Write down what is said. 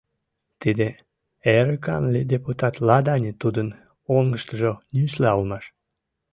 Тиде эрыкан депутат Ладани тудын оҥыштыжо нюсла улмаш.